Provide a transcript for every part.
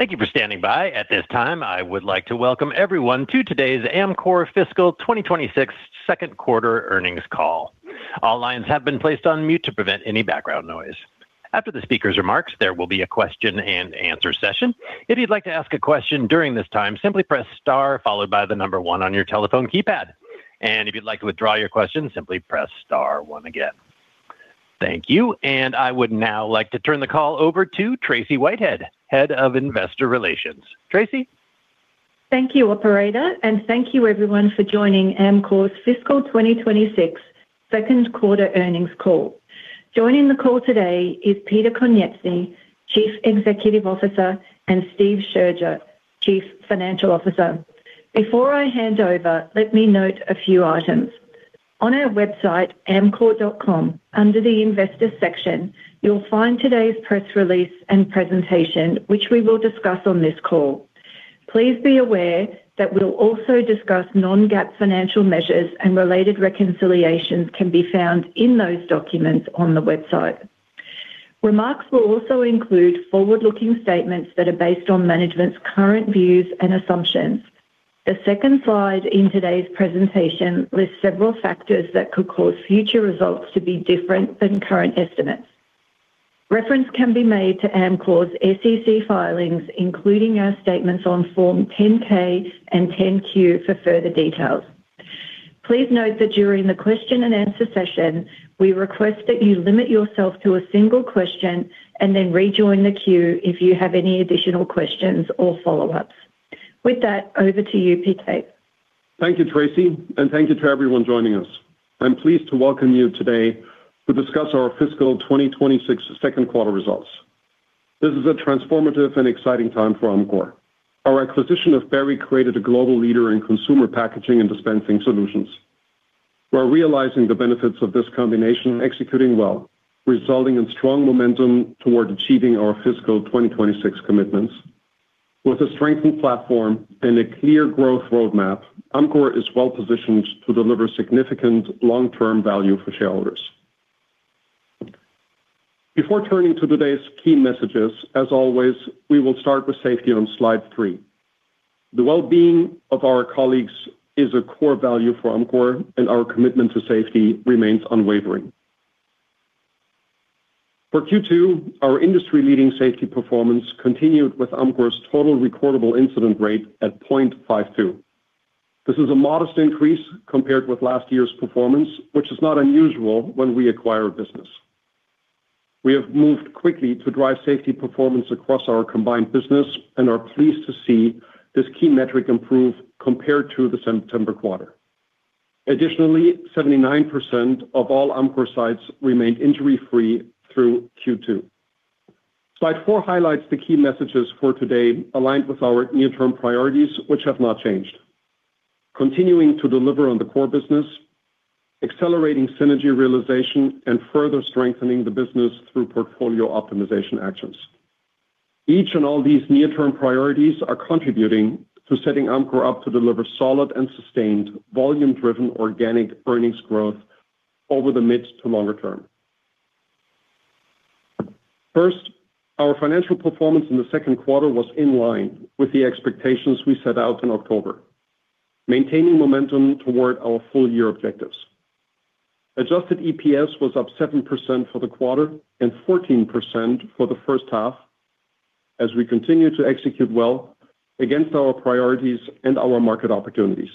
Thank you for standing by. At this time, I would like to welcome everyone to today's Amcor Fiscal 2026 second quarter earnings call. All lines have been placed on mute to prevent any background noise. After the speaker's remarks, there will be a question and answer session. If you'd like to ask a question during this time, simply press star followed by the number one on your telephone keypad. If you'd like to withdraw your question, simply press star one again. Thank you, and I would now like to turn the call over to Tracey Whitehead, Head of Investor Relations. Tracey? Thank you, operator, and thank you everyone for joining Amcor's Fiscal 2026 second quarter earnings call. Joining the call today is Peter Konieczny, Chief Executive Officer; and Steve Scherger, Chief Financial Officer. Before I hand over, let me note a few items. On our website, amcor.com, under the Investor section, you'll find today's press release and presentation, which we will discuss on this call. Please be aware that we'll also discuss non-GAAP financial measures, and related reconciliations can be found in those documents on the website. Remarks will also include forward-looking statements that are based on management's current views and assumptions. The second slide in today's presentation lists several factors that could cause future results to be different than current estimates. Reference can be made to Amcor's SEC filings, including our statements on Form 10-K and 10-Q for further details. Please note that during the question and answer session, we request that you limit yourself to a single question and then rejoin the queue if you have any additional questions or follow-ups. With that, over to you, Peter. Thank you, Tracey, and thank you to everyone joining us. I'm pleased to welcome you today to discuss our fiscal 2026 second quarter results. This is a transformative and exciting time for Amcor. Our acquisition of Berry created a global leader in consumer packaging and dispensing solutions. We're realizing the benefits of this combination, executing well, resulting in strong momentum toward achieving our fiscal 2026 commitments. With a strengthened platform and a clear growth roadmap, Amcor is well positioned to deliver significant long-term value for shareholders. Before turning to today's key messages, as always, we will start with safety on slide three. The well-being of our colleagues is a core value for Amcor, and our commitment to safety remains unwavering. For Q2, our industry-leading safety performance continued with Amcor's total recordable incident rate at 0.52. This is a modest increase compared with last year's performance, which is not unusual when we acquire a business. We have moved quickly to drive safety performance across our combined business and are pleased to see this key metric improve compared to the September quarter. Additionally, 79% of all Amcor sites remained injury-free through Q2. Slide four highlights the key messages for today, aligned with our near-term priorities, which have not changed. Continuing to deliver on the core business, accelerating synergy realization, and further strengthening the business through portfolio optimization actions. Each and all these near-term priorities are contributing to setting Amcor up to deliver solid and sustained, volume-driven, organic earnings growth over the mid to longer term. First, our financial performance in the second quarter was in line with the expectations we set out in October, maintaining momentum toward our full year objectives. Adjusted EPS was up 7% for the quarter and 14% for the first half as we continue to execute well against our priorities and our market opportunities.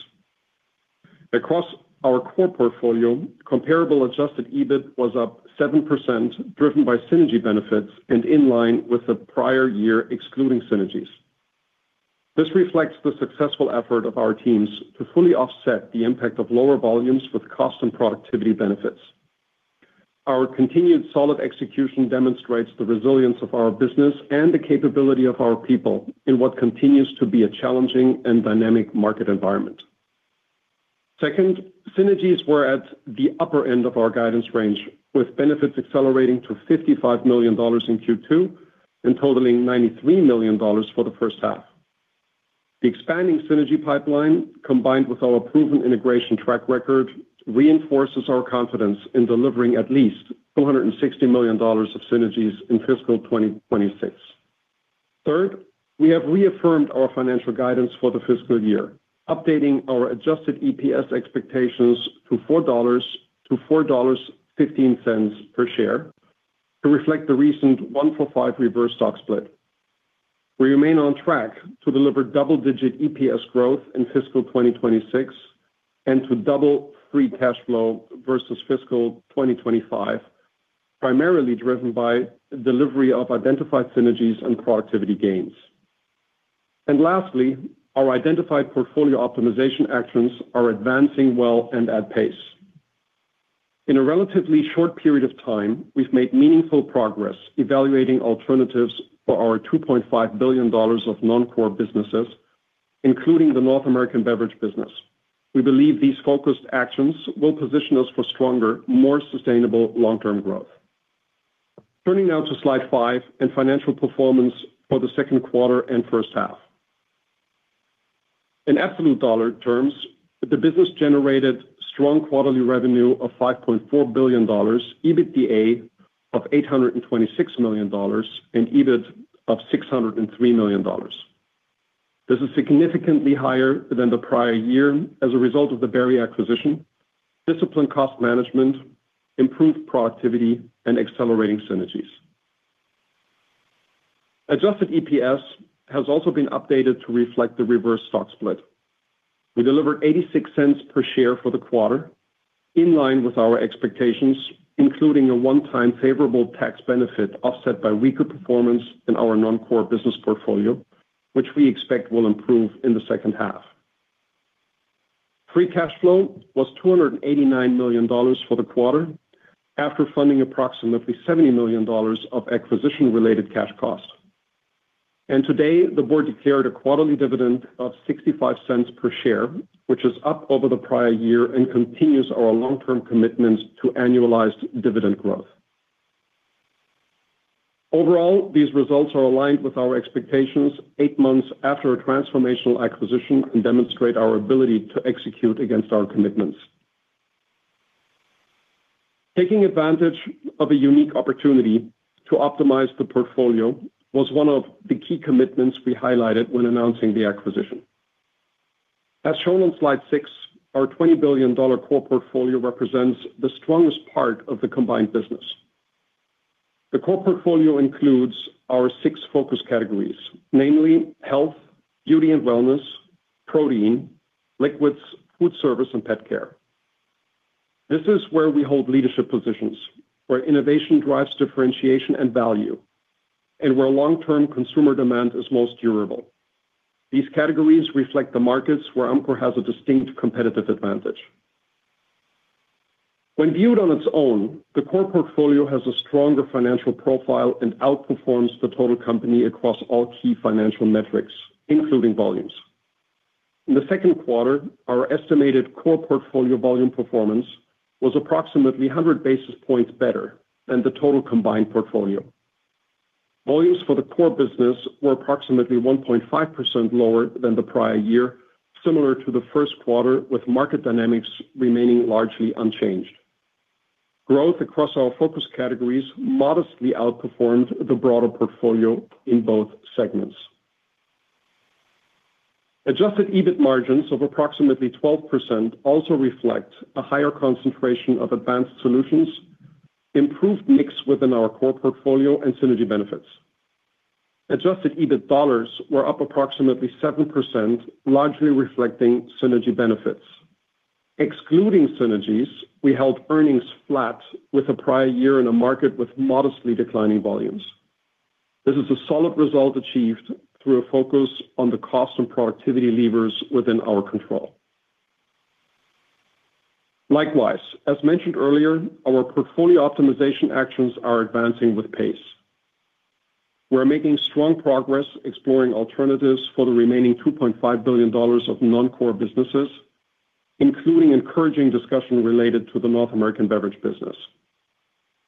Across our core portfolio, comparable adjusted EBIT was up 7%, driven by synergy benefits and in line with the prior year, excluding synergies. This reflects the successful effort of our teams to fully offset the impact of lower volumes with cost and productivity benefits. Our continued solid execution demonstrates the resilience of our business and the capability of our people in what continues to be a challenging and dynamic market environment. Second, synergies were at the upper end of our guidance range, with benefits accelerating to $55 million in Q2 and totaling $93 million for the first half. The expanding synergy pipeline, combined with our proven integration track record, reinforces our confidence in delivering at least $260 million of synergies in fiscal 2026. Third, we have reaffirmed our financial guidance for the fiscal year, updating our adjusted EPS expectations to $4.00-$4.15 per share to reflect the recent one-for-five reverse stock split. We remain on track to deliver double-digit EPS growth in fiscal 2026 and to double free cash flow versus fiscal 2025, primarily driven by delivery of identified synergies and productivity gains. Lastly, our identified portfolio optimization actions are advancing well and at pace. In a relatively short period of time, we've made meaningful progress evaluating alternatives for our $2.5 billion of non-core businesses, including the North American beverage business. We believe these focused actions will position us for stronger, more sustainable long-term growth. Turning now to slide five and financial performance for the second quarter and first half. In absolute dollar terms, the business generated strong quarterly revenue of $5.4 billion, EBITDA of $826 million, and EBIT of $603 million. This is significantly higher than the prior year as a result of the Berry acquisition, disciplined cost management, improved productivity, and accelerating synergies. Adjusted EPS has also been updated to reflect the reverse stock split. We delivered $0.86 per share for the quarter, in line with our expectations, including a one-time favorable tax benefit offset by weaker performance in our non-core business portfolio, which we expect will improve in the second half. Free cash flow was $289 million for the quarter, after funding approximately $70 million of acquisition-related cash costs. Today, the board declared a quarterly dividend of $0.65 per share, which is up over the prior year and continues our long-term commitment to annualized dividend growth. Overall, these results are aligned with our expectations eight months after a transformational acquisition and demonstrate our ability to execute against our commitments. Taking advantage of a unique opportunity to optimize the portfolio was one of the key commitments we highlighted when announcing the acquisition. As shown on slide six, our $20 billion core portfolio represents the strongest part of the combined business. The core portfolio includes our six focus categories, namely health, beauty and wellness, protein, liquids, food service, and pet care. This is where we hold leadership positions, where innovation drives differentiation and value, and where long-term consumer demand is most durable. These categories reflect the markets where Amcor has a distinct competitive advantage. When viewed on its own, the core portfolio has a stronger financial profile and outperforms the total company across all key financial metrics, including volumes. In the second quarter, our estimated core portfolio volume performance was approximately 100 basis points better than the total combined portfolio. Volumes for the core business were approximately 1.5% lower than the prior year, similar to the first quarter, with market dynamics remaining largely unchanged. Growth across our focus categories modestly outperformed the broader portfolio in both segments. Adjusted EBIT margins of approximately 12% also reflect a higher concentration of advanced solutions, improved mix within our core portfolio, and synergy benefits. Adjusted EBIT dollars were up approximately 7%, largely reflecting synergy benefits. Excluding synergies, we held earnings flat with the prior year in a market with modestly declining volumes. This is a solid result achieved through a focus on the cost and productivity levers within our control. Likewise, as mentioned earlier, our portfolio optimization actions are advancing with pace. We're making strong progress exploring alternatives for the remaining $2.5 billion of non-core businesses, including encouraging discussion related to the North American beverage business.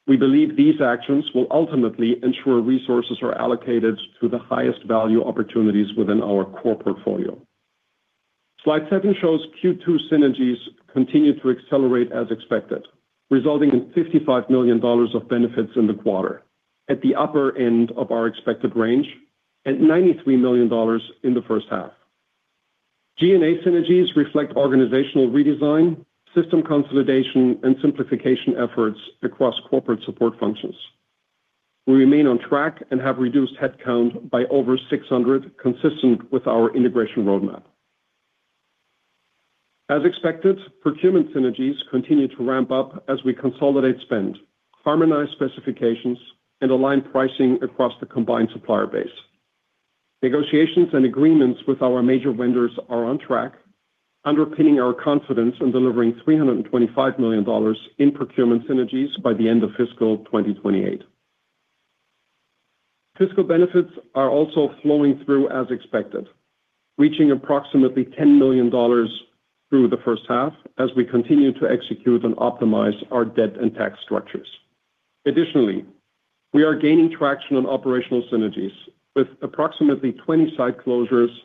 We believe these actions will ultimately ensure resources are allocated to the highest value opportunities within our core portfolio. Slide seven shows Q2 synergies continued to accelerate as expected, resulting in $55 million of benefits in the quarter, at the upper end of our expected range, and $93 million in the first half. G&A synergies reflect organizational redesign, system consolidation, and simplification efforts across corporate support functions. We remain on track and have reduced headcount by over 600, consistent with our integration roadmap. As expected, procurement synergies continue to ramp up as we consolidate spend, harmonize specifications, and align pricing across the combined supplier base. Negotiations and agreements with our major vendors are on track, underpinning our confidence in delivering $325 million in procurement synergies by the end of fiscal 2028. Fiscal benefits are also flowing through as expected, reaching approximately $10 million through the first half as we continue to execute and optimize our debt and tax structures. Additionally, we are gaining traction on operational synergies, with approximately 20 site closures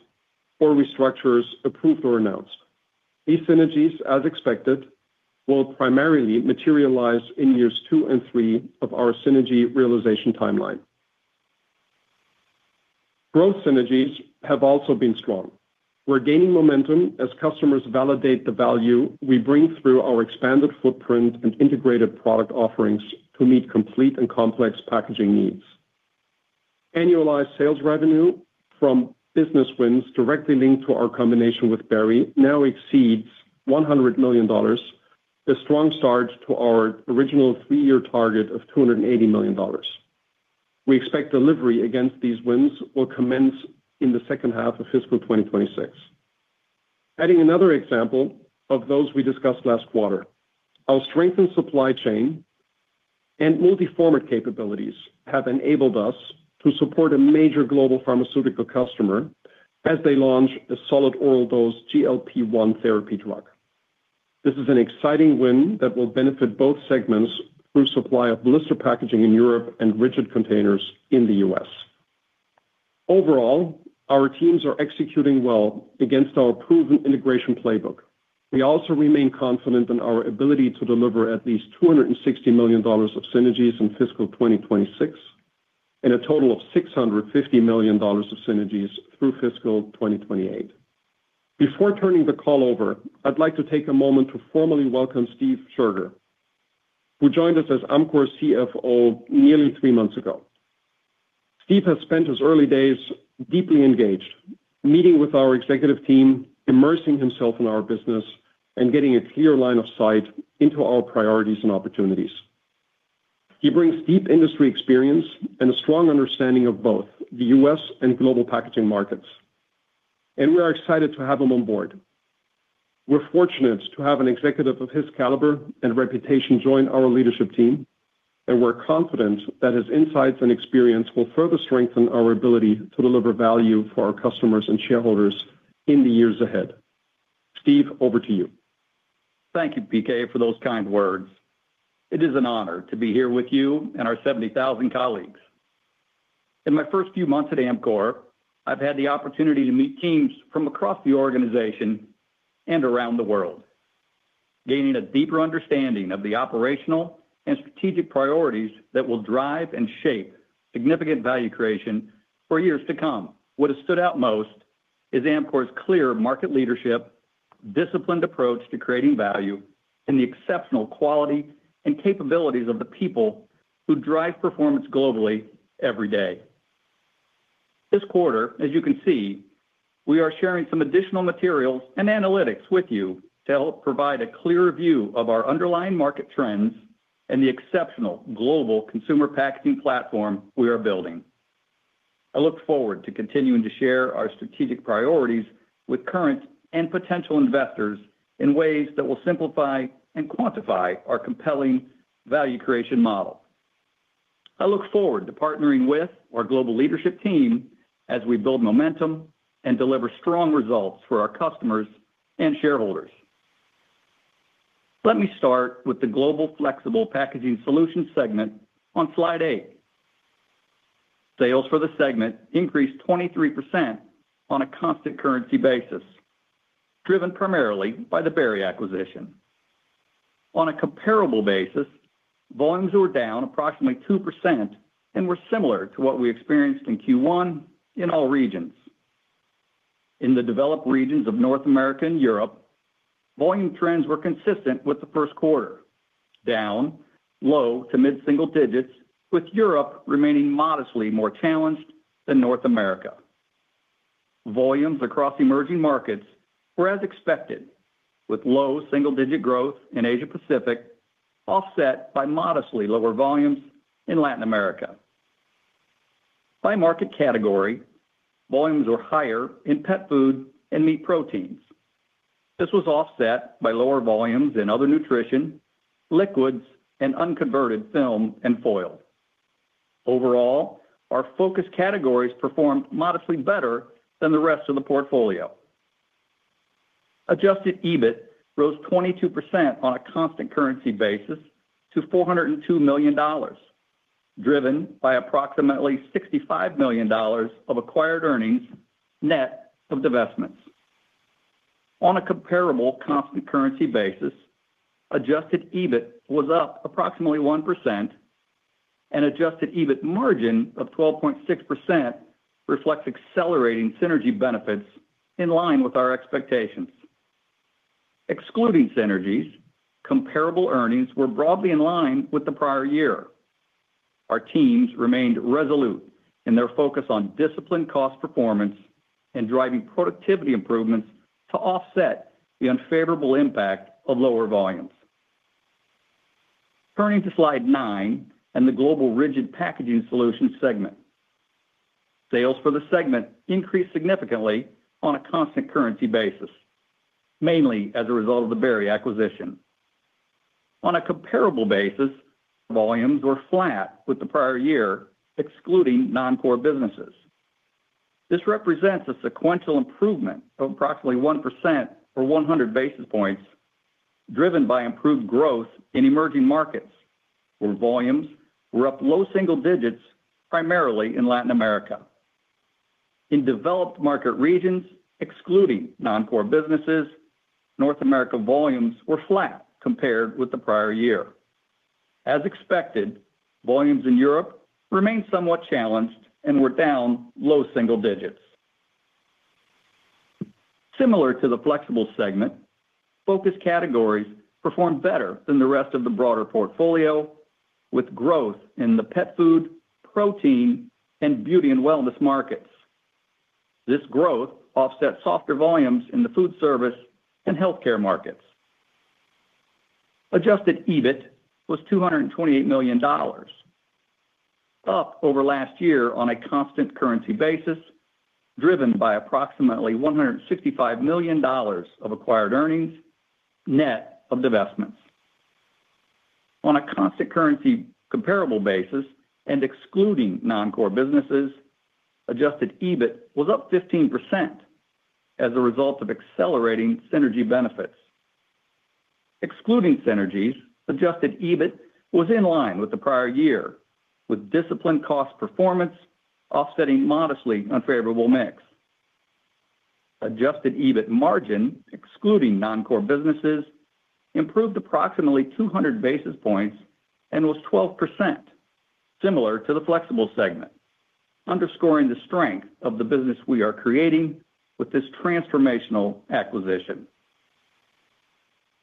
or restructures approved or announced. These synergies, as expected, will primarily materialize in years two and three of our synergy realization timeline. Growth synergies have also been strong. We're gaining momentum as customers validate the value we bring through our expanded footprint and integrated product offerings to meet complete and complex packaging needs. Annualized sales revenue from business wins directly linked to our combination with Berry now exceeds $100 million, a strong start to our original three-year target of $280 million. We expect delivery against these wins will commence in the second half of fiscal 2026. Adding another example of those we discussed last quarter, our strengthened supply chain and multi-format capabilities have enabled us to support a major global pharmaceutical customer as they launch a solid oral dose GLP-1 therapy drug. This is an exciting win that will benefit both segments through supply of blister packaging in Europe and rigid containers in the U.S. Overall, our teams are executing well against our proven integration playbook. We also remain confident in our ability to deliver at least $260 million of synergies in fiscal 2026, and a total of $650 million of synergies through fiscal 2028. Before turning the call over, I'd like to take a moment to formally welcome Steve Scherger, who joined us as Amcor's CFO nearly three months ago. Steve has spent his early days deeply engaged, meeting with our executive team, immersing himself in our business, and getting a clear line of sight into our priorities and opportunities. He brings deep industry experience and a strong understanding of both the U.S. and global packaging markets, and we are excited to have him on board. We're fortunate to have an executive of his caliber and reputation join our leadership team, and we're confident that his insights and experience will further strengthen our ability to deliver value for our customers and shareholders in the years ahead. Steve, over to you. Thank you, PK, for those kind words. It is an honor to be here with you and our 70,000 colleagues. In my first few months at Amcor, I've had the opportunity to meet teams from across the organization and around the world, gaining a deeper understanding of the operational and strategic priorities that will drive and shape significant value creation for years to come. What has stood out most is Amcor's clear market leadership, disciplined approach to creating value, and the exceptional quality and capabilities of the people who drive performance globally every day. This quarter, as you can see, we are sharing some additional materials and analytics with you to help provide a clearer view of our underlying market trends and the exceptional global consumer packaging platform we are building. I look forward to continuing to share our strategic priorities with current and potential investors in ways that will simplify and quantify our compelling value creation model. I look forward to partnering with our global leadership team as we build momentum and deliver strong results for our customers and shareholders. Let me start with the Global Flexible Packaging Solutions segment on slide eight. Sales for the segment increased 23% on a constant currency basis, driven primarily by the Berry acquisition. On a comparable basis, volumes were down approximately 2% and were similar to what we experienced in Q1 in all regions. In the developed regions of North America and Europe, volume trends were consistent with the first quarter, down low- to mid-single digits, with Europe remaining modestly more challenged than North America. Volumes across emerging markets were as expected, with low single-digit growth in Asia Pacific, offset by modestly lower volumes in Latin America. By market category, volumes were higher in pet food and meat proteins. This was offset by lower volumes in other nutrition, liquids, and unconverted film and foil. Overall, our focus categories performed modestly better than the rest of the portfolio. Adjusted EBIT rose 22% on a constant currency basis to $402 million, driven by approximately $65 million of acquired earnings, net of divestments. On a comparable constant currency basis, adjusted EBIT was up approximately 1%, and adjusted EBIT margin of 12.6% reflects accelerating synergy benefits in line with our expectations. Excluding synergies, comparable earnings were broadly in line with the prior year. Our teams remained resolute in their focus on disciplined cost performance and driving productivity improvements to offset the unfavorable impact of lower volumes. Turning to slide nine and the Global Rigid Packaging Solutions segment. Sales for the segment increased significantly on a constant currency basis, mainly as a result of the Berry acquisition. On a comparable basis, volumes were flat with the prior year, excluding non-core businesses. This represents a sequential improvement of approximately 1% or 100 basis points, driven by improved growth in emerging markets, where volumes were up low single digits, primarily in Latin America. In developed market regions, excluding non-core businesses, North America volumes were flat compared with the prior year. As expected, volumes in Europe remained somewhat challenged and were down low single digits. Similar to the flexible segment, focus categories performed better than the rest of the broader portfolio, with growth in the pet food, protein, and beauty and wellness markets. This growth offset softer volumes in the food service and healthcare markets. Adjusted EBIT was $228 million, up over last year on a constant currency basis, driven by approximately $165 million of acquired earnings, net of divestments. On a constant currency comparable basis and excluding non-core businesses, adjusted EBIT was up 15% as a result of accelerating synergy benefits. Excluding synergies, adjusted EBIT was in line with the prior year, with disciplined cost performance offsetting modestly unfavorable mix. Adjusted EBIT margin, excluding non-core businesses, improved approximately 200 basis points and was 12%, similar to the flexible segment, underscoring the strength of the business we are creating with this transformational acquisition.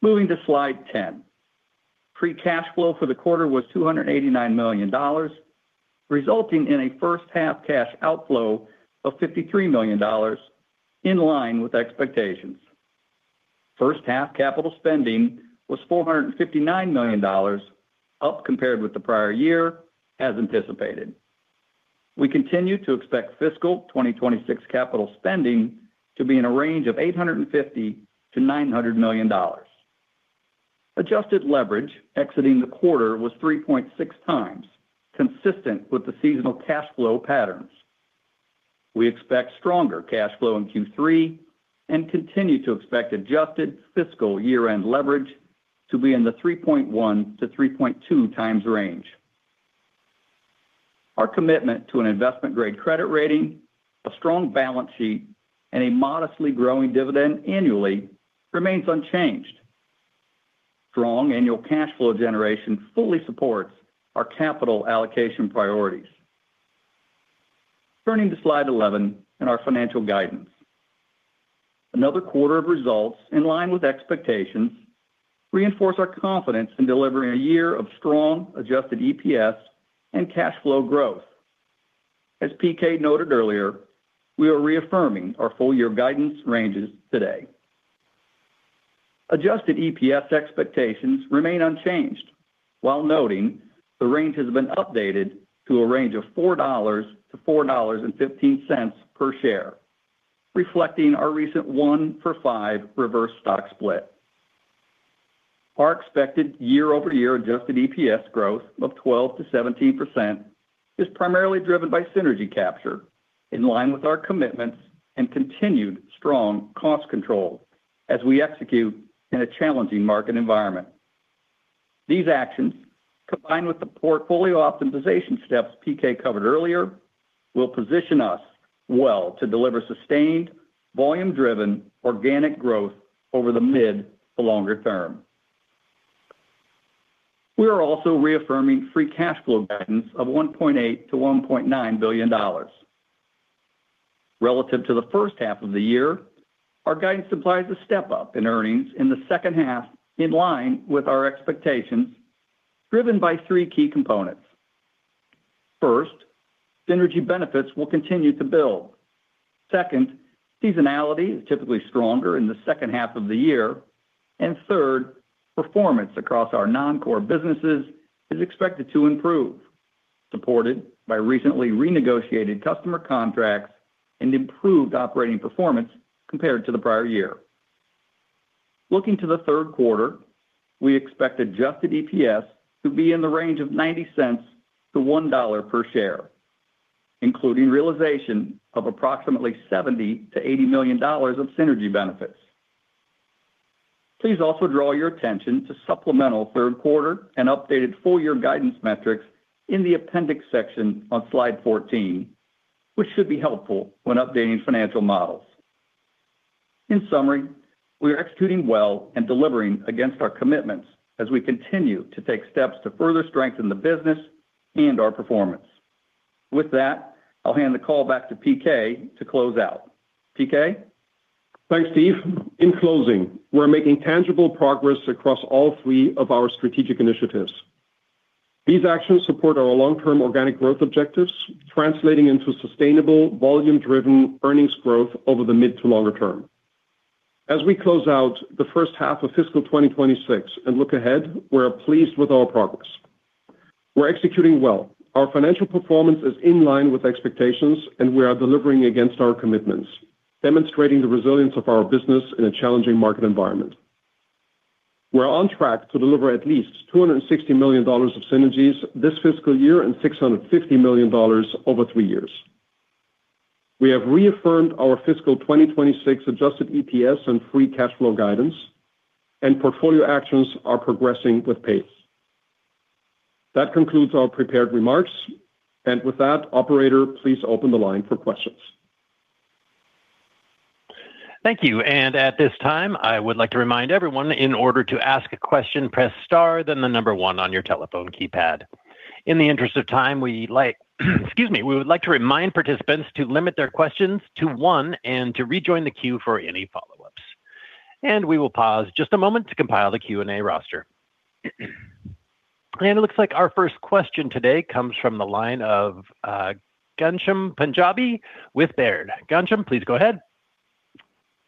Moving to slide 10. Free cash flow for the quarter was $289 million, resulting in a first half cash outflow of $53 million, in line with expectations. First half capital spending was $459 million, up compared with the prior year, as anticipated. We continue to expect fiscal 2026 capital spending to be in a range of $850 million-$900 million. Adjusted leverage exiting the quarter was 3.6x, consistent with the seasonal cash flow patterns. We expect stronger cash flow in Q3 and continue to expect adjusted fiscal year-end leverage to be in the 3.1x-3.2x range. Our commitment to an investment-grade credit rating, a strong balance sheet, and a modestly growing dividend annually remains unchanged. Strong annual cash flow generation fully supports our capital allocation priorities. Turning to slide 11 and our financial guidance. Another quarter of results in line with expectations reinforce our confidence in delivering a year of strong Adjusted EPS and cash flow growth. As PK noted earlier, we are reaffirming our full-year guidance ranges today. Adjusted EPS expectations remain unchanged, while noting the range has been updated to a range of $4.00-$4.15 per share, reflecting our recent one-for-five reverse stock split. Our expected year-over-year Adjusted EPS growth of 12%-17% is primarily driven by synergy capture, in line with our commitments and continued strong cost control as we execute in a challenging market environment. These actions, combined with the portfolio optimization steps PK covered earlier, will position us well to deliver sustained, volume-driven organic growth over the mid to longer term. We are also reaffirming free cash flow guidance of $1.8 billion-$1.9 billion. Relative to the first half of the year, our guidance implies a step-up in earnings in the second half, in line with our expectations, driven by three key components. First, synergy benefits will continue to build. Second, seasonality is typically stronger in the second half of the year. Third, performance across our non-core businesses is expected to improve, supported by recently renegotiated customer contracts and improved operating performance compared to the prior year. Looking to the third quarter, we expect Adjusted EPS to be in the range of $0.90-$1.00 per share, including realization of approximately $70 million-$80 million of synergy benefits. Please also draw your attention to supplemental third quarter and updated full-year guidance metrics in the appendix section on slide 14, which should be helpful when updating financial models. In summary, we are executing well and delivering against our commitments as we continue to take steps to further strengthen the business and our performance. With that, I'll hand the call back to PK to close out. PK? Thanks, Steve. In closing, we're making tangible progress across all three of our strategic initiatives. These actions support our long-term organic growth objectives, translating into sustainable, volume-driven earnings growth over the mid to longer term. As we close out the first half of fiscal 2026 and look ahead, we are pleased with our progress. We're executing well. Our financial performance is in line with expectations, and we are delivering against our commitments, demonstrating the resilience of our business in a challenging market environment. We're on track to deliver at least $260 million of synergies this fiscal year and $650 million over three years. We have reaffirmed our fiscal 2026 adjusted EPS and free cash flow guidance, and portfolio actions are progressing with pace. That concludes our prepared remarks. And with that, operator, please open the line for questions. Thank you. At this time, I would like to remind everyone, in order to ask a question, press star, then the number one on your telephone keypad. In the interest of time, excuse me, we would like to remind participants to limit their questions to one and to rejoin the queue for any follow-ups. We will pause just a moment to compile the Q&A roster. It looks like our first question today comes from the line of Ghansham Panjabi with Baird. Ghansham, please go ahead.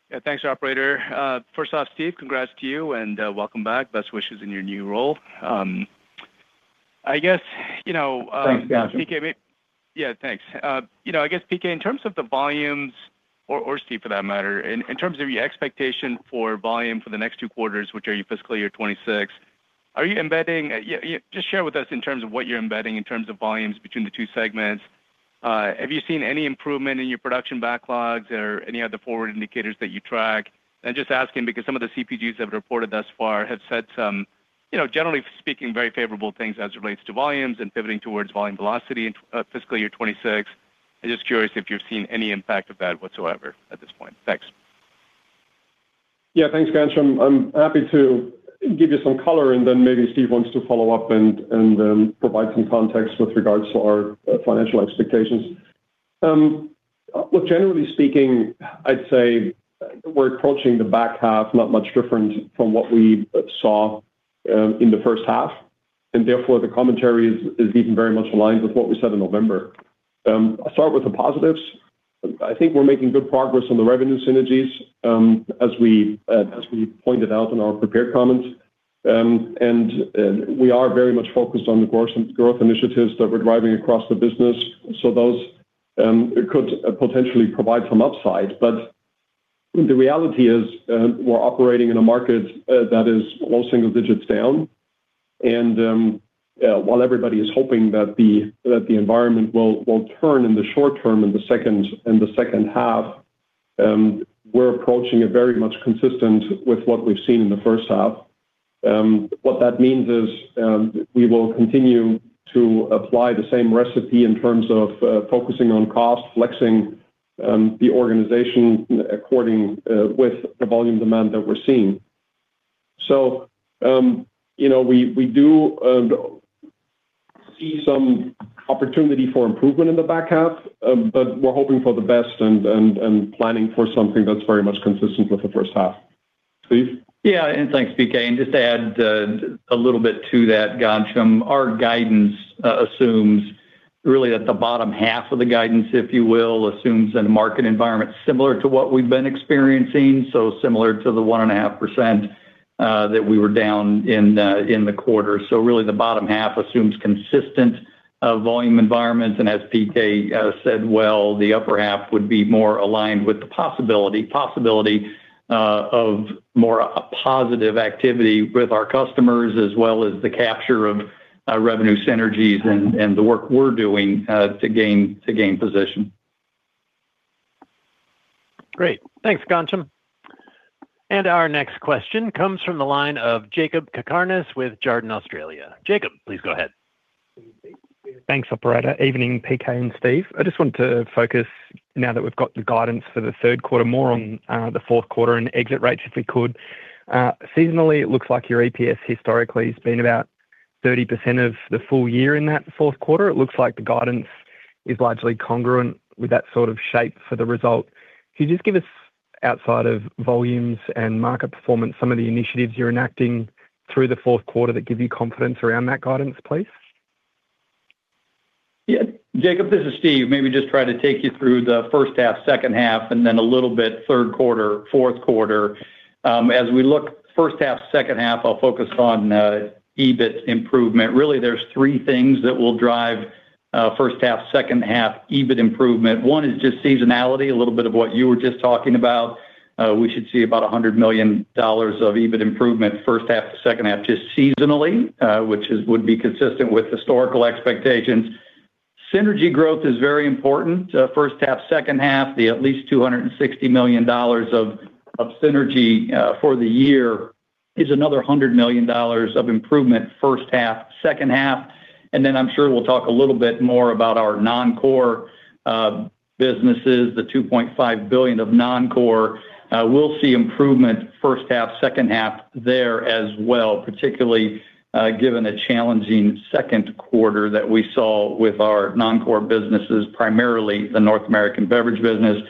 Yeah. Thanks, operator. First off, Steve, congrats to you, and welcome back. Best wishes in your new role. I guess, you know, PK. Thanks, Ghansham. Yeah, thanks. You know, I guess, PK, in terms of the volumes, or Steve, for that matter, in terms of your expectation for volume for the next two quarters, which are your fiscal year 2026, are you embedding in terms of volumes between the two segments. Just share with us in terms of what you're embedding in terms of volumes between the two segments. Have you seen any improvement in your production backlogs or any other forward indicators that you track? Just asking because some of the CPGs that have reported thus far have said some, you know, generally speaking, very favorable things as it relates to volumes and pivoting towards volume velocity in fiscal year 2026. I'm just curious if you've seen any impact of that whatsoever at this point. Thanks. Yeah. Thanks, Ghansham. I'm happy to give you some color, and then maybe Steve wants to follow up and provide some context with regards to our financial expectations. Look, generally speaking, I'd say we're approaching the back half, not much different from what we saw in the first half, and therefore, the commentary is even very much aligned with what we said in November. I'll start with the positives. I think we're making good progress on the revenue synergies, as we pointed out in our prepared comments. We are very much focused on the growth initiatives that we're driving across the business, so those could potentially provide some upside. But the reality is, we're operating in a market that is low single digits down. While everybody is hoping that the environment will turn in the short term, in the second half, we're approaching it very much consistent with what we've seen in the first half. What that means is, we will continue to apply the same recipe in terms of focusing on cost, flexing the organization according with the volume demand that we're seeing. So, you know, we do see some opportunity for improvement in the back half, but we're hoping for the best and planning for something that's very much consistent with the first half. Steve? Yeah, and thanks, PK. And just to add a little bit to that, Ghansham, our guidance assumes really at the bottom half of the guidance, if you will, assumes a market environment similar to what we've been experiencing, so similar to the 1.5% that we were down in the quarter. So really, the bottom half assumes consistent volume environments, and as PK said, well, the upper half would be more aligned with the possibility of more positive activity with our customers, as well as the capture of revenue synergies and the work we're doing to gain position. Great. Thanks, Ghansham. Our next question comes from the line of Jakob Cakarnis with Jarden Australia. Jakob, please go ahead. Thanks, operator. Evening, PK and Steve. I just want to focus, now that we've got the guidance for the third quarter, more on, the fourth quarter and exit rates, if we could. Seasonally, it looks like your EPS historically has been about 30% of the full year in that fourth quarter. It looks like the guidance is largely congruent with that sort of shape for the result. Can you just give us, outside of volumes and market performance, some of the initiatives you're enacting through the fourth quarter that give you confidence around that guidance, please? Yeah. Jakob, this is Steve. Maybe just try to take you through the first half, second half, and then a little bit third quarter, fourth quarter. As we look first half, second half, I'll focus on, EBIT improvement. Really, there's three things that will drive, first half, second half EBIT improvement. One is just seasonality, a little bit of what you were just talking about. We should see about $100 million of EBIT improvement, first half to second half, just seasonally, which would be consistent with historical expectations. Synergy growth is very important. First half, second half, the at least $260 million of, of synergy, for the year is another $100 million of improvement, first half, second half. And then I'm sure we'll talk a little bit more about our non-core businesses, the $2.5 billion of non-core. We'll see improvement first half, second half there as well, particularly given a challenging second quarter that we saw with our non-core businesses, primarily the North American beverage business.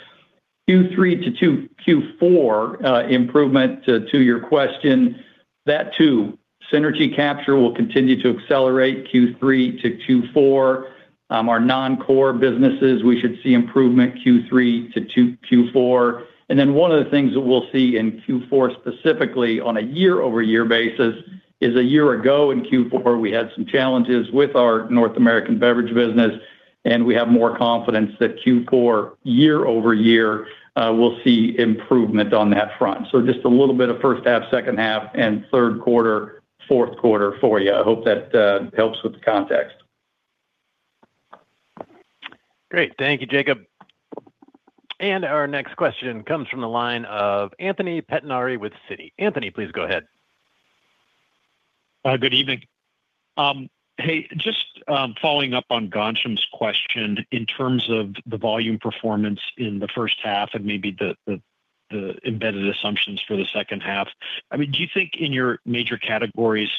Q3 to Q4, improvement to your question, that too, synergy capture will continue to accelerate Q3 to Q4. Our non-core businesses, we should see improvement Q3 to Q4. And then one of the things that we'll see in Q4, specifically on a year-over-year basis, is a year ago in Q4, we had some challenges with our North American beverage business, and we have more confidence that Q4, year-over-year, we'll see improvement on that front. So just a little bit of first half, second half, and third quarter, fourth quarter for you. I hope that helps with the context. Great. Thank you, Jakob. And our next question comes from the line of Anthony Pettinari with Citi. Anthony, please go ahead. Good evening. Hey, just following up on Ghansham's question in terms of the volume performance in the first half and maybe the embedded assumptions for the second half. I mean, do you think in your major categories,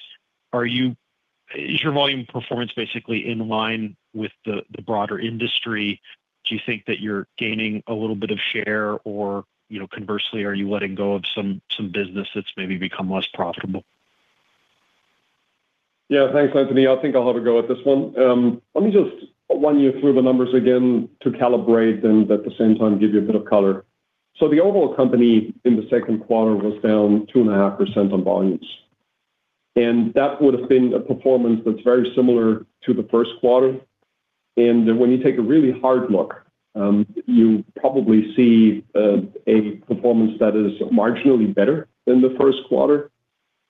is your volume performance basically in line with the broader industry? Do you think that you're gaining a little bit of share, or, you know, conversely, are you letting go of some business that's maybe become less profitable? Yeah. Thanks, Anthony. I think I'll have a go at this one. Let me just run you through the numbers again to calibrate and at the same time, give you a bit of color. So the overall company in the second quarter was down 2.5% on volumes. And that would have been a performance that's very similar to the first quarter. And when you take a really hard look, you probably see a performance that is marginally better than the first quarter.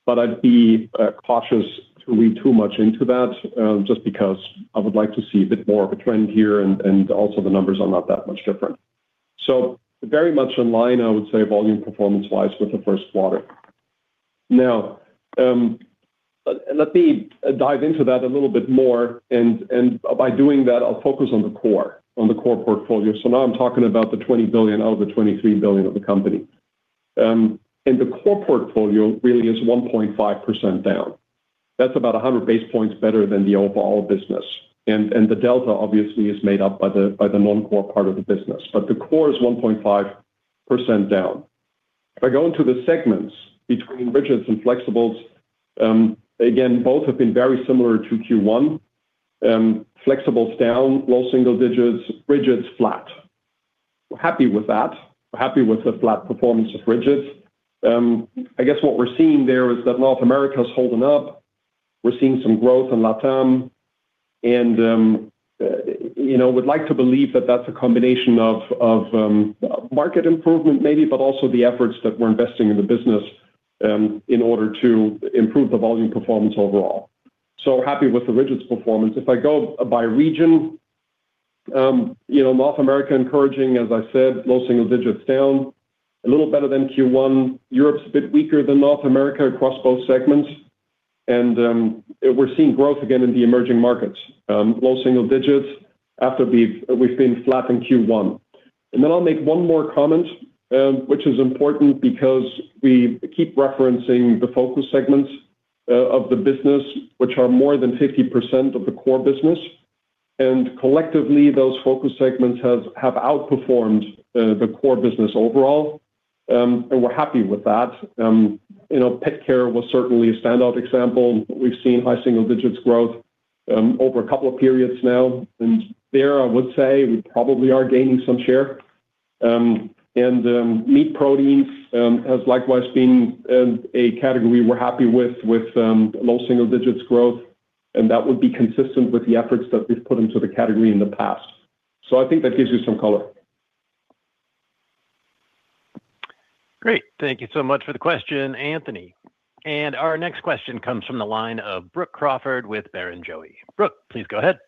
But I'd be cautious to read too much into that, just because I would like to see a bit more of a trend here, and, and also the numbers are not that much different. So very much in line, I would say, volume performance-wise, with the first quarter. Now, let me dive into that a little bit more, and by doing that, I'll focus on the core, on the core portfolio. So now I'm talking about the $20 billion out of the $23 billion of the company. And the core portfolio really is 1.5% down. That's about 100 basis points better than the overall business, and the delta, obviously, is made up by the non-core part of the business. But the core is 1.5% down. If I go into the segments between rigids and flexibles, again, both have been very similar to Q1. Flexibles down, low single digits, rigids flat. We're happy with that. We're happy with the flat performance of rigids. I guess what we're seeing there is that North America is holding up. We're seeing some growth in LatAm, and, you know, we'd like to believe that that's a combination of market improvement, maybe, but also the efforts that we're investing in the business in order to improve the volume performance overall. So we're happy with the rigids performance. If I go by region, you know, North America, encouraging, as I said, low single digits down, a little better than Q1. Europe's a bit weaker than North America across both segments. We're seeing growth again in the emerging markets, low single digits after we've been flat in Q1. Then I'll make one more comment, which is important because we keep referencing the focus segments of the business, which are more than 50% of the core business. And collectively, those focus segments have outperformed the core business overall, and we're happy with that. You know, pet care was certainly a standout example. We've seen high single digits growth over a couple of periods now, and there, I would say we probably are gaining some share. And meat proteins has likewise been a category we're happy with, with low single digits growth, and that would be consistent with the efforts that we've put into the category in the past. So I think that gives you some color. Great. Thank you so much for the question, Anthony. Our next question comes from the line of Brook Campbell-Crawford with Barrenjoey. Brook, please go ahead.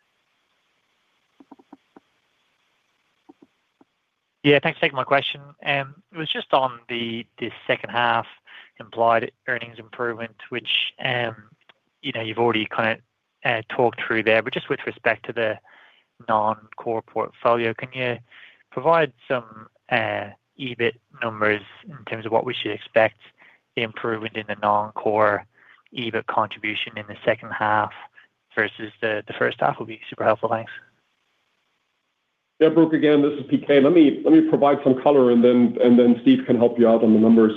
Yeah, thanks for taking my question. It was just on the second half implied earnings improvement, which, you know, you've already kinda talked through there, but just with respect to the non-core portfolio, can you provide some EBIT numbers in terms of what we should expect improvement in the non-core EBIT contribution in the second half versus the first half? That will be super helpful. Thanks. Yeah, Brook, again, this is PK let me provide some color, and then Steve can help you out on the numbers.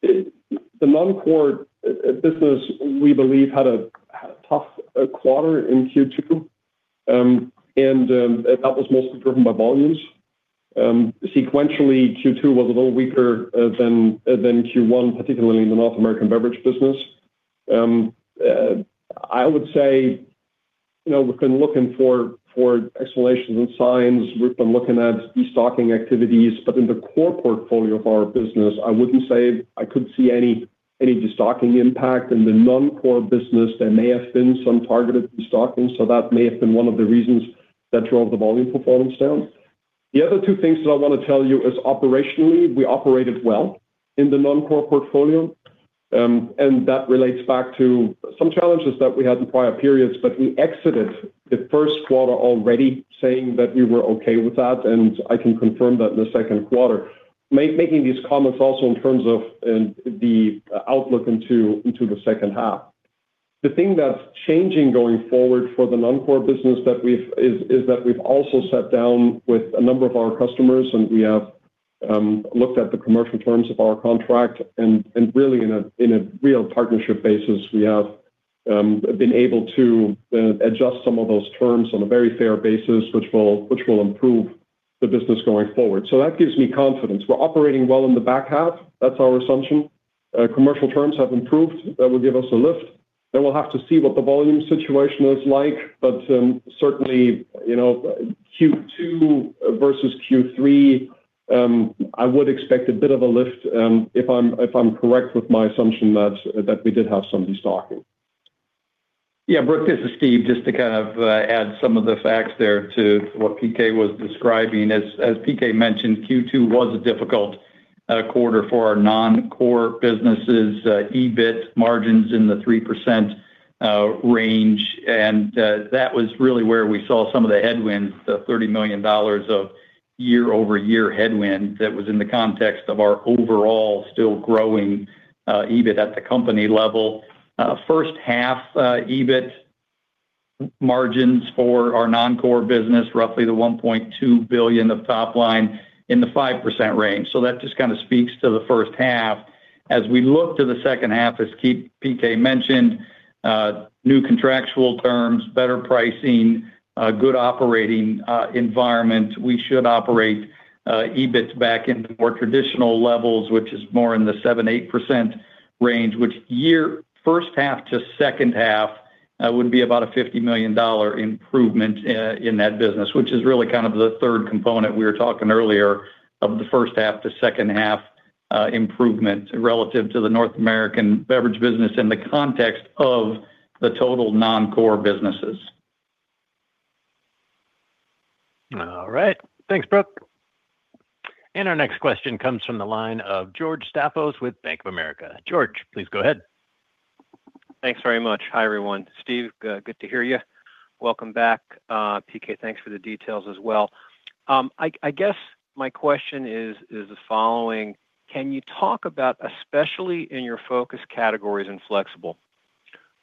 The non-core business, we believe, had a tough quarter in Q2, and that was mostly driven by volumes. Sequentially, Q2 was a little weaker than Q1, particularly in the North American beverage business. I would say, you know, we've been looking for explanations and signs. We've been looking at destocking activities, but in the core portfolio of our business, I wouldn't say I could see any destocking impact. In the non-core business, there may have been some targeted destocking, so that may have been one of the reasons that drove the volume performance down. The other two things that I want to tell you is operationally, we operated well in the non-core portfolio, and that relates back to some challenges that we had in prior periods, but we exited the first quarter already saying that we were okay with that, and I can confirm that in the second quarter. Making these comments also in terms of, the outlook into the second half. The thing that's changing going forward for the non-core business that we've is that we've also sat down with a number of our customers, and we have looked at the commercial terms of our contract, and really in a real partnership basis, we have been able to adjust some of those terms on a very fair basis, which will improve the business going forward. So that gives me confidence. We're operating well in the back half. That's our assumption. Commercial terms have improved. That will give us a lift, then we'll have to see what the volume situation is like. But certainly, you know, Q2 versus Q3, I would expect a bit of a lift, if I'm correct with my assumption that we did have some destocking. Yeah, Brook, this is Steve. Just to kind of add some of the facts there to what PK was describing. As PK mentioned, Q2 was a difficult quarter for our non-core businesses. EBIT margins in the 3% range, and that was really where we saw some of the headwinds, the $30 million of year-over-year headwind that was in the context of our overall still growing EBIT at the company level. First half EBIT margins for our non-core business, roughly the $1.2 billion of top line in the 5% range. So that just kind of speaks to the first half. As we look to the second half, as PK mentioned, new contractual terms, better pricing, good operating environment. We should operate EBIT back into more traditional levels, which is more in the 7%-8% range, which first half to second half would be about a $50 million improvement in that business, which is really kind of the third component we were talking earlier of the first half to second half improvement relative to the North American beverage business in the context of the total non-core businesses. All right. Thanks, Brook. Our next question comes from the line of George Staphos with Bank of America. George, please go ahead. Thanks very much. Hi, everyone. Steve, good to hear you. Welcome back. PK, thanks for the details as well. I guess my question is the following: Can you talk about, especially in your focus categories and flexible,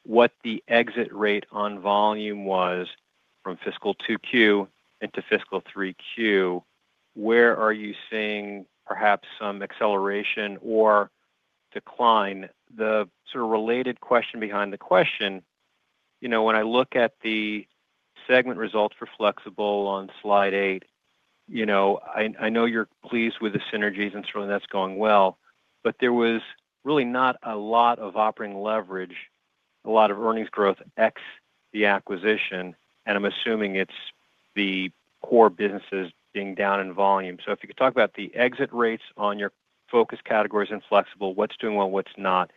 what the exit rate on volume was from fiscal 2Q into fiscal 3Q? Where are you seeing perhaps some acceleration or decline? The sort of related question behind the question, you know, when I look at the segment results for flexible on slide eight, you know, I know you're pleased with the synergies and certainly that's going well, but there was really not a lot of operating leverage, a lot of earnings growth ex the acquisition, and I'm assuming it's the core businesses being down in volume. If you could talk about the exit rates on your focus categories and flexible, what's doing well, what's not,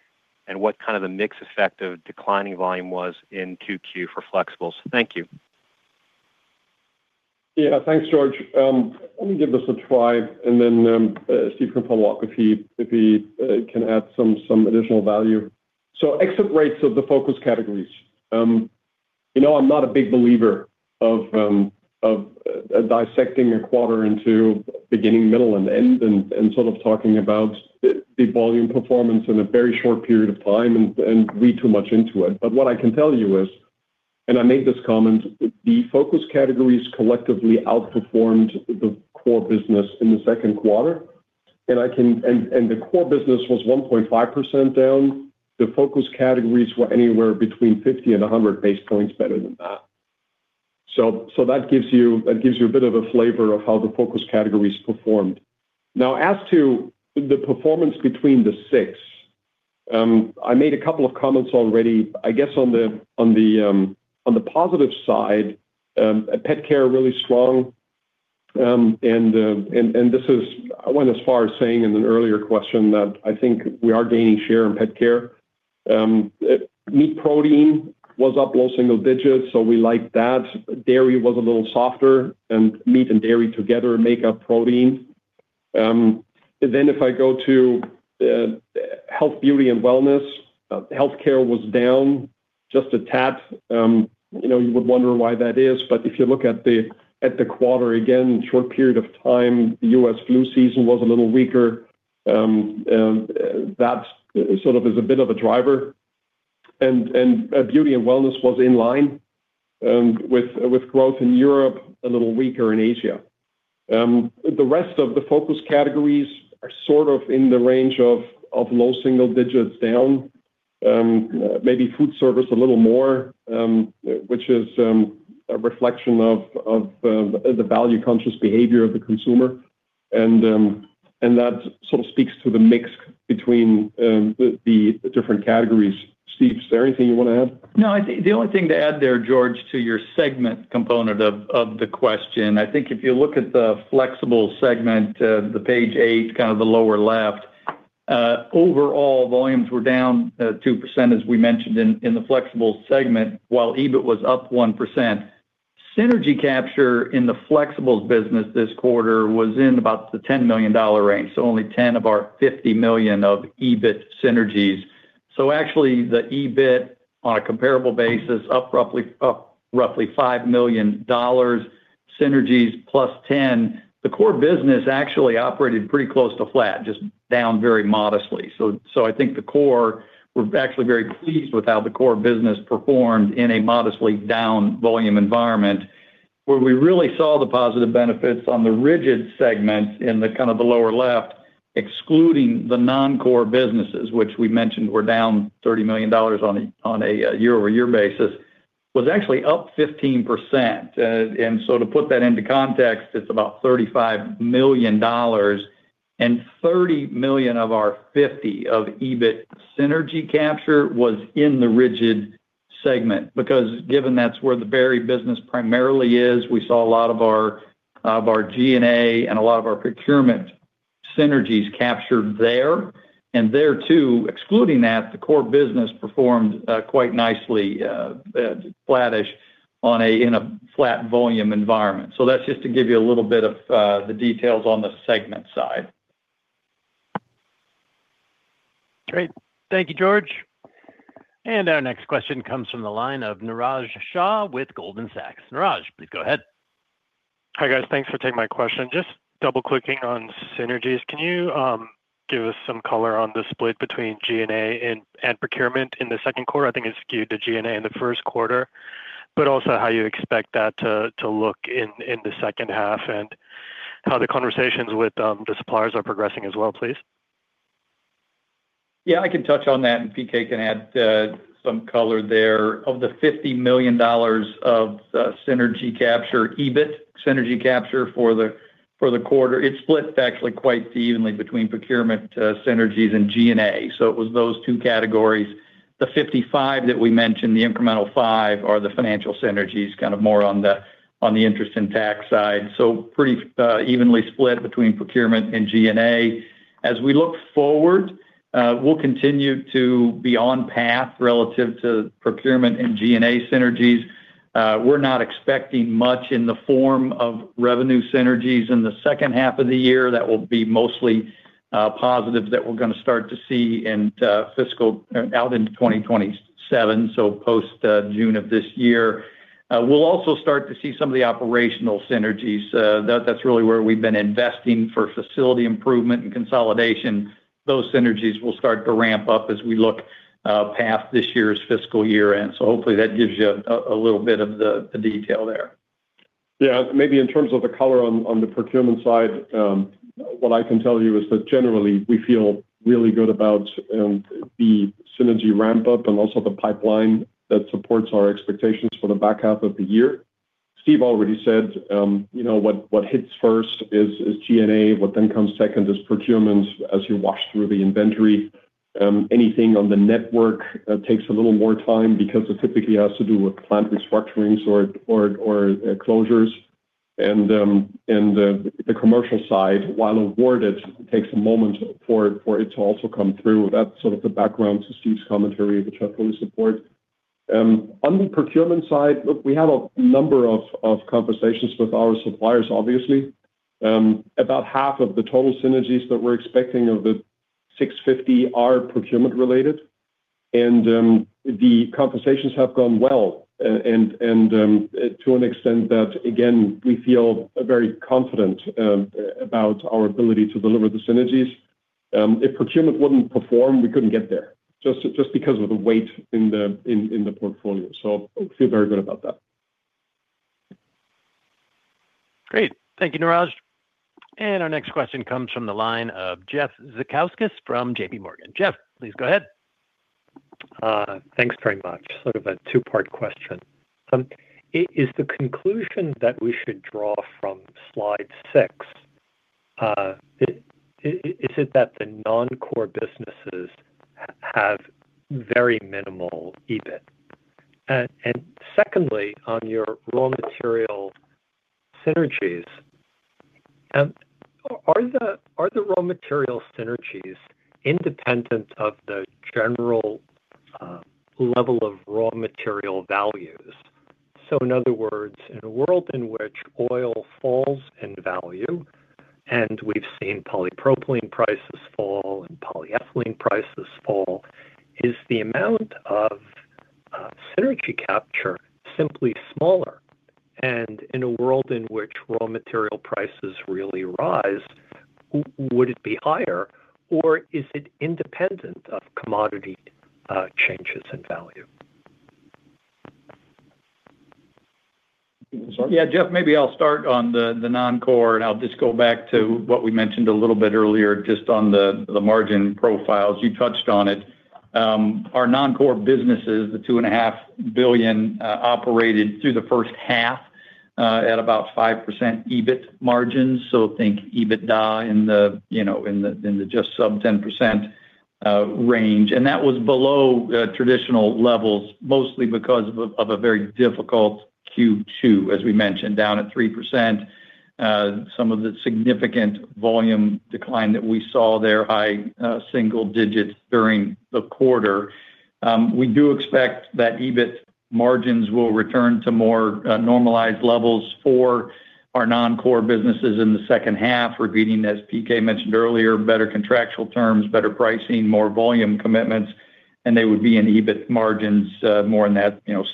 and what kind of the mix effect of declining volume was in 2Q for flexibles. Thank you. Yeah. Thanks, George. Let me give this a try, and then Steve can follow up if he can add some additional value. So exit rates of the focus categories. You know, I'm not a big believer of dissecting a quarter into beginning, middle, and end, and sort of talking about the volume performance in a very short period of time and read too much into it. But what I can tell you is, and I made this comment, the focus categories collectively outperformed the core business in the second quarter, and the core business was 1.5% down. The focus categories were anywhere between 50 and 100 base points better than that. So that gives you a bit of a flavor of how the focus categories performed. Now, as to the performance between the six, I made a couple of comments already. I guess, on the positive side, pet care, really strong. I went as far as saying in an earlier question that I think we are gaining share in pet care. Meat protein was up low single digits, so we like that. Dairy was a little softer, and meat and dairy together make up protein. Then if I go to health, beauty, and wellness, healthcare was down just a tad. You know, you would wonder why that is, but if you look at the quarter, again, short period of time, the U.S. flu season was a little weaker. That sort of is a bit of a driver. Beauty and wellness was in line with growth in Europe, a little weaker in Asia. The rest of the focus categories are sort of in the range of low single digits down, maybe food service a little more, which is a reflection of the value-conscious behavior of the consumer. That sort of speaks to the mix between the different categories. Steve, is there anything you want to add? No, I think the only thing to add there, George, to your segment component of, of the question, I think if you look at the flexible segment, the page eight, kind of the lower left, overall, volumes were down 2%, as we mentioned in, in the flexible segment, while EBIT was up 1%. Synergy capture in the flexibles business this quarter was in about the $10 million range, so only 10 of our $50 million of EBIT synergies. So actually, the EBIT, on a comparable basis, up roughly, up roughly $5 million, synergies +$10 million. The core business actually operated pretty close to flat, just down very modestly. So, so I think the core, we're actually very pleased with how the core business performed in a modestly down volume environment. Where we really saw the positive benefits on the rigid segment in the kind of the lower left, excluding the non-core businesses, which we mentioned were down $30 million on a year-over-year basis, was actually up 15%. And so to put that into context, it's about $35 million, and $30 million of our $50 million of EBIT synergy capture was in the rigid segment. Because given that's where the Berry business primarily is, we saw a lot of our G&A and a lot of our procurement synergies captured there. And there, too, excluding that, the core business performed quite nicely, flattish in a flat volume environment. So that's just to give you a little bit of the details on the segment side. Great. Thank you, George. And our next question comes from the line of Niraj Shah with Goldman Sachs. Niraj, please go ahead. Hi, guys. Thanks for taking my question. Just double-clicking on synergies, can you give us some color on the split between G&A and procurement in the second quarter? I think it skewed to G&A in the first quarter. But also how you expect that to to look in in the second half, and how the conversations with the suppliers are progressing as well, please? Yeah, I can touch on that, and PK can add some color there. Of the $50 million of synergy capture, EBIT synergy capture for the quarter, it split actually quite evenly between procurement synergies and G&A. So it was those two categories. The 55 that we mentioned, the incremental five, are the financial synergies, kind of more on the interest and tax side, so pretty evenly split between procurement and G&A. As we look forward, we'll continue to be on path relative to procurement and G&A synergies. We're not expecting much in the form of revenue synergies in the second half of the year. That will be mostly positive that we're gonna start to see in fiscal out in 2027, so post June of this year. We'll also start to see some of the operational synergies. That's really where we've been investing for facility improvement and consolidation. Those synergies will start to ramp up as we look past this year's fiscal year. And so hopefully that gives you a little bit of the detail there. Yeah, maybe in terms of the color on, on the procurement side, what I can tell you is that generally, we feel really good about the synergy ramp-up and also the pipeline that supports our expectations for the back half of the year. Steve already said, you know, what hits first is G&A. What then comes second is procurement. As you wash through the inventory, anything on the network takes a little more time because it typically has to do with plant restructurings or closures. And the commercial side, while awarded, takes a moment for it to also come through. That's sort of the background to Steve's commentary, which I fully support. On the procurement side, look, we have a number of conversations with our suppliers, obviously. About half of the total synergies that we're expecting of the $650 million are procurement related, and the conversations have gone well. And to an extent that, again, we feel very confident about our ability to deliver the synergies. If procurement wouldn't perform, we couldn't get there, just because of the weight in the portfolio. So I feel very good about that. Great. Thank you, Niraj. And our next question comes from the line of Jeffrey Zekauskas from JPMorgan. Jeff, please go ahead. Thanks very much. Sort of a two-part question. Is the conclusion that we should draw from slide six, is it that the non-core businesses have very minimal EBIT? And secondly, on your raw material synergies, are the raw material synergies independent of the general level of raw material values? So in other words, in a world in which oil falls in value, and we've seen polypropylene prices fall and polyethylene prices fall, is the amount of synergy capture simply smaller? And in a world in which raw material prices really rise, would it be higher, or is it independent of commodity changes in value? Yeah, Jeff, maybe I'll start on the non-core, and I'll just go back to what we mentioned a little bit earlier, just on the margin profiles. You touched on it. Our non-core businesses, the $2.5 billion, operated through the first half at about 5% EBIT margins. So think EBITDA in the, you know, just sub-10% range. And that was below traditional levels, mostly because of a very difficult Q2, as we mentioned, down at 3%. Some of the significant volume decline that we saw there, high single digits during the quarter. We do expect that EBIT margins will return to more normalized levels for our non-core businesses in the second half. We're getting, as PK mentioned earlier, better contractual terms, better pricing, more volume commitments, and they would be in EBIT margins, more in that, you know,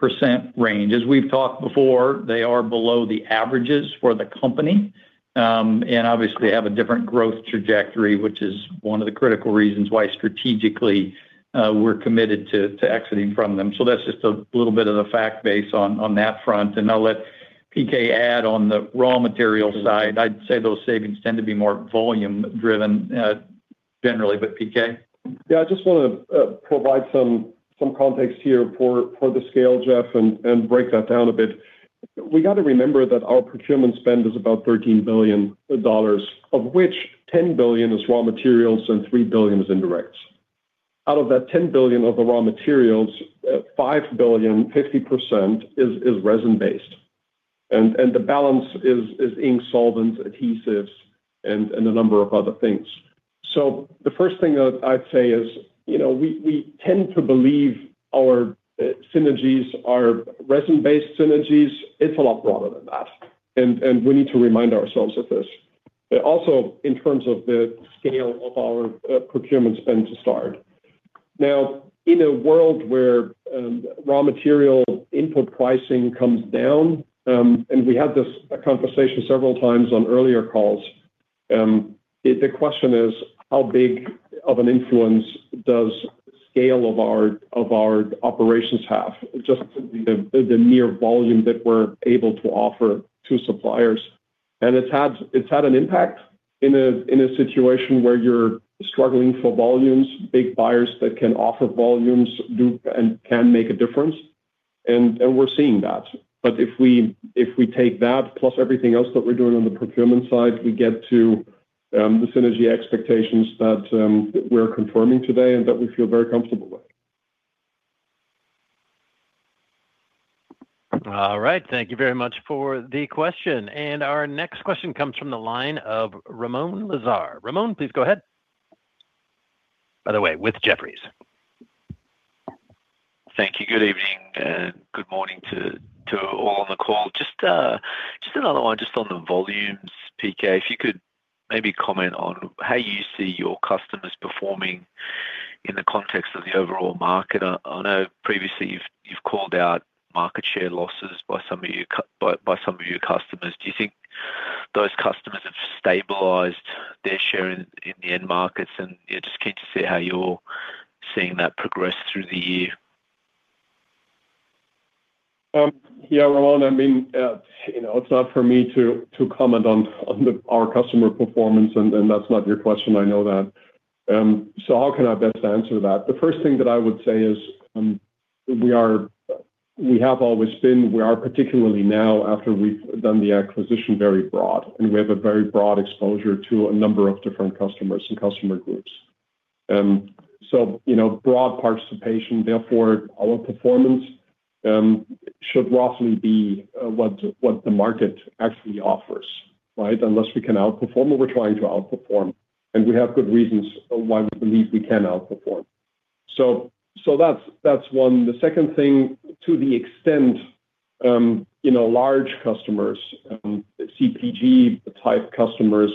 7%-9% range. As we've talked before, they are below the averages for the company, and obviously have a different growth trajectory, which is one of the critical reasons why strategically, we're committed to exiting from them. So that's just a little bit of the fact base on that front, and I'll let PK add on the raw material side. I'd say those savings tend to be more volume driven, generally, but PK? Yeah, I just wanna provide some context here for the scale, Jeff, and break that down a bit. We got to remember that our procurement spend is about $13 billion, of which $10 billion is raw materials and $3 billion is indirects. Out of that $10 billion of the raw materials, $5 billion, 50%, is resin-based, and the balance is ink, solvents, adhesives, and a number of other things. So the first thing that I'd say is, you know, we tend to believe our synergies are resin-based synergies. It's a lot broader than that, and we need to remind ourselves of this also in terms of the scale of our procurement spend to start. Now, in a world where raw material input pricing comes down, and we had this conversation several times on earlier calls. The question is, how big of an influence does scale of our operations have? Just the mere volume that we're able to offer to suppliers. And it's had an impact in a situation where you're struggling for volumes, big buyers that can offer volumes do and can make a difference, and we're seeing that. But if we take that, plus everything else that we're doing on the procurement side, we get to the synergy expectations that we're confirming today and that we feel very comfortable with. All right. Thank you very much for the question. And our next question comes from the line of Ramoun Lazar. Ramoun, please go ahead. By the way, with Jefferies. Thank you. Good evening, and good morning to all on the call. Just another one, just on the volumes, PK, if you could maybe comment on how you see your customers performing in the context of the overall market. I know previously you've called out market share losses by some of your customers. Do you think those customers have stabilized their share in the end markets? Yeah, just keen to see how you're seeing that progress through the year. Yeah, Ramoun, I mean, you know, it's not for me to comment on our customer performance, and that's not your question, I know that. So how can I best answer that? The first thing that I would say is, we are—we have always been, we are, particularly now, after we've done the acquisition, very broad, and we have a very broad exposure to a number of different customers and customer groups. So, you know, broad participation, therefore, our performance should roughly be what the market actually offers, right? Unless we can outperform, but we're trying to outperform, and we have good reasons of why we believe we can outperform. So that's one. The second thing, to the extent, you know, large customers, CPG-type customers,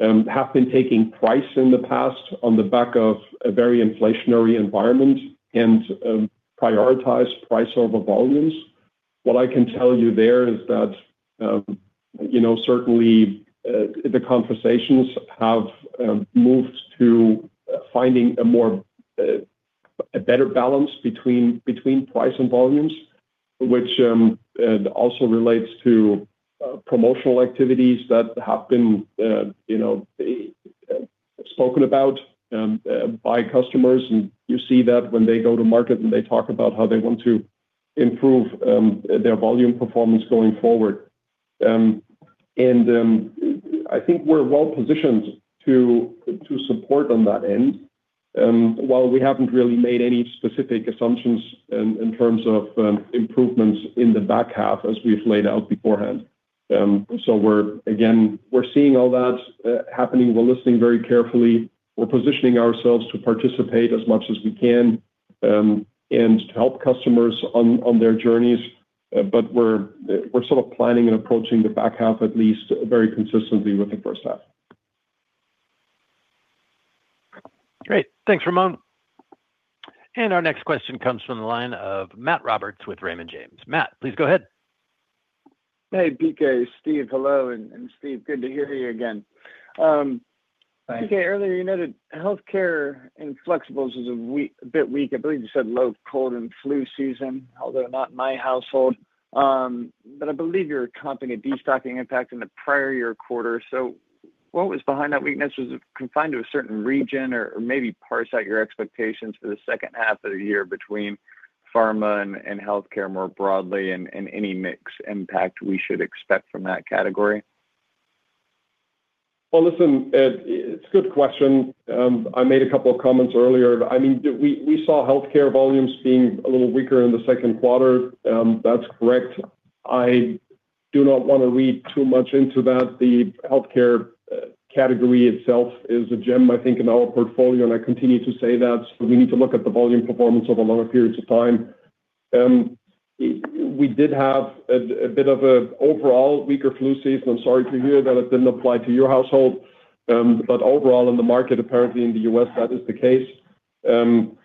have been taking price in the past on the back of a very inflationary environment and prioritize price over volumes. What I can tell you there is that, you know, certainly, the conversations have moved to finding a better balance between price and volumes, which also relates to promotional activities that have been, you know, spoken about by customers. You see that when they go to market, and they talk about how they want to improve their volume performance going forward. I think we're well-positioned to support on that end, while we haven't really made any specific assumptions in terms of improvements in the back half as we've laid out beforehand. So we're again seeing all that happening. We're listening very carefully. We're positioning ourselves to participate as much as we can, and to help customers on their journeys, but we're sort of planning and approaching the back half, at least very consistently with the first half. Great. Thanks, Ramoun. And our next question comes from the line of Matt Roberts with Raymond James. Matt, please go ahead. Hey, PK, Steve, hello, and Steve, good to hear you again. Hi. PK, earlier, you noted healthcare and flexibles is a bit weak. I believe you said low cold and flu season, although not in my household. But I believe you're comping a destocking impact in the prior year quarter. So what was behind that weakness? Was it confined to a certain region, or maybe parse out your expectations for the second half of the year between pharma and healthcare more broadly, and any mix impact we should expect from that category? Well, listen, it's a good question. I made a couple of comments earlier. I mean, we saw healthcare volumes being a little weaker in the second quarter. That's correct. I do not want to read too much into that. The healthcare category itself is a gem, I think, in our portfolio, and I continue to say that. We need to look at the volume performance over longer periods of time. We did have a bit of a overall weaker flu season. I'm sorry to hear that it didn't apply to your household, but overall, in the market, apparently in the U.S., that is the case. And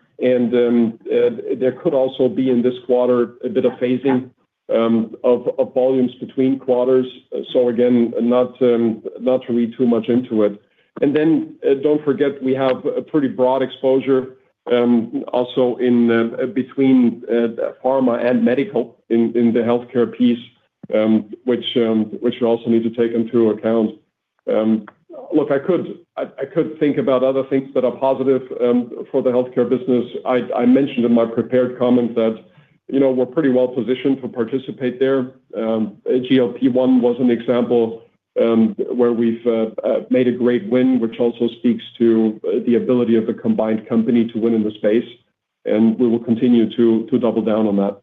there could also be, in this quarter, a bit of phasing of volumes between quarters. So again, not to read too much into it. Then, don't forget, we have a pretty broad exposure, also in between pharma and medical in the healthcare piece, which we also need to take into account. Look, I could think about other things that are positive for the healthcare business. I mentioned in my prepared comments that, you know, we're pretty well positioned to participate there. GLP-1 was an example, where we've made a great win, which also speaks to the ability of the combined company to win in the space, and we will continue to double down on that.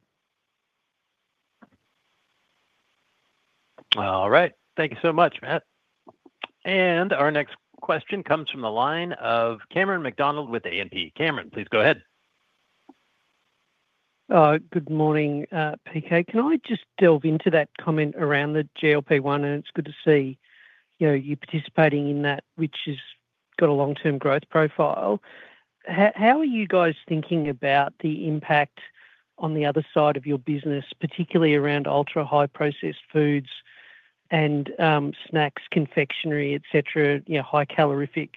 All right. Thank you so much, Matt. And our next question comes from the line of Cameron McDonald with E&P. Cameron, please go ahead. Good morning, PK. Can I just delve into that comment around the GLP-1? It's good to see, you know, you participating in that, which has got a long-term growth profile. How are you guys thinking about the impact on the other side of your business, particularly around ultra-high processed foods and, snacks, confectionary, etc., you know, high calorific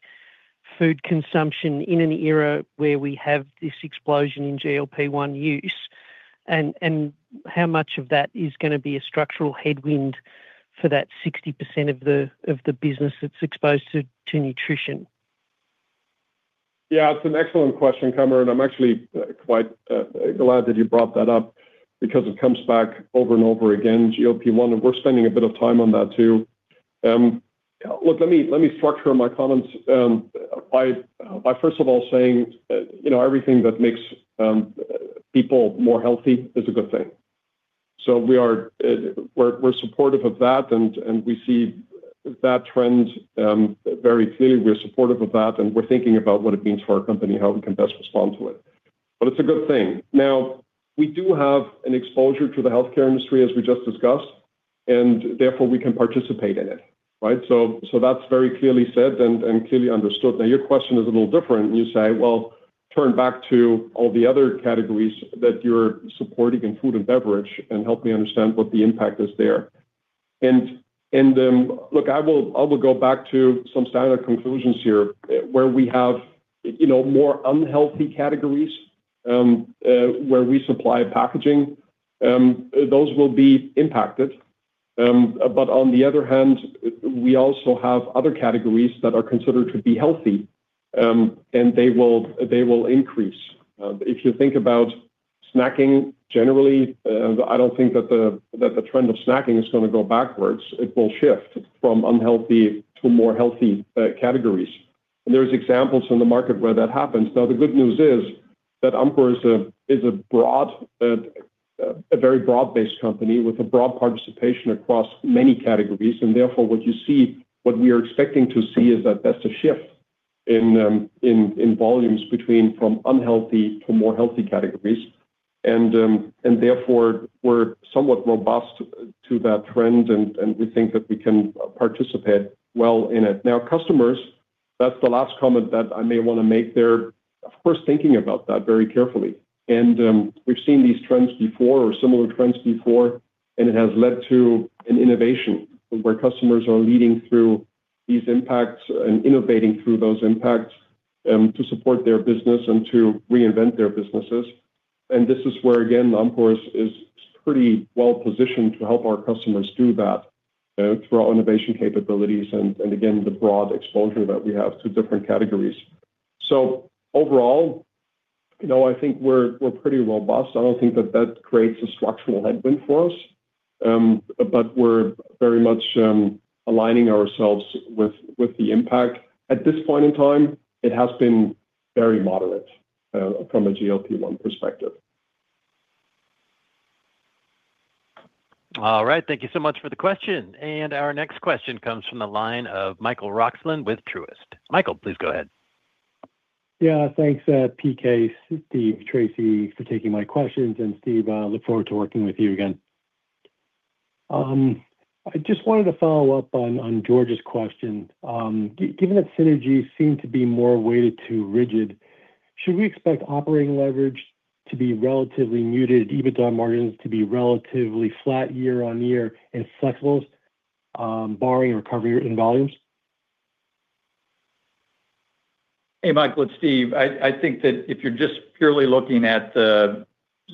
food consumption in an era where we have this explosion in GLP-1 use, and how much of that is gonna be a structural headwind for that 60% of the business that's exposed to nutrition? Yeah, it's an excellent question, Cameron, and I'm actually quite glad that you brought that up because it comes back over and over again, GLP-1, and we're spending a bit of time on that, too. Look, let me structure my comments by first of all saying you know, everything that makes people more healthy is a good thing. So we're supportive of that, and we see that trend very clearly. We're supportive of that, and we're thinking about what it means for our company, how we can best respond to it. But it's a good thing. Now, we do have an exposure to the healthcare industry, as we just discussed, and therefore we can participate in it, right? So that's very clearly said and clearly understood. Now, your question is a little different, and you say, "Well, turn back to all the other categories that you're supporting in food and beverage and help me understand what the impact is there." And, look, I will go back to some standard conclusions here. Where we have, you know, more unhealthy categories, where we supply packaging, those will be impacted. But on the other hand, we also have other categories that are considered to be healthy, and they will increase. If you think about snacking generally, I don't think that the trend of snacking is gonna go backwards. It will shift from unhealthy to more healthy categories. And there's examples in the market where that happens. Now, the good news is that Amcor is a broad, a very broad-based company with a broad participation across many categories, and therefore, what you see, what we are expecting to see is that that's a shift in volumes between from unhealthy to more healthy categories. And therefore, we're somewhat robust to that trend, and we think that we can participate well in it. Now, customers, that's the last comment that I may wanna make there. Of course, thinking about that very carefully. And we've seen these trends before or similar trends before, and it has led to an innovation where customers are leading through these impacts and innovating through those impacts to support their business and to reinvent their businesses. This is where, again, Amcor is pretty well positioned to help our customers do that, through our innovation capabilities and, and again, the broad exposure that we have to different categories. So overall, you know, I think we're pretty robust. I don't think that that creates a structural headwind for us. But we're very much aligning ourselves with the impact. At this point in time, it has been very moderate, from a GLP-1 perspective. All right. Thank you so much for the question. Our next question comes from the line of Michael Roxland with Truist. Michael, please go ahead. Yeah, thanks, PK, Steve, Tracey, for taking my questions. Steve, I look forward to working with you again. I just wanted to follow up on George's question. Given that synergies seem to be more weighted to rigid, should we expect operating leverage to be relatively muted, EBITDA margins to be relatively flat year-on-year, and flexibles, barring a recovery in volumes? Hey, Michael, it's Steve. I think that if you're just purely looking at,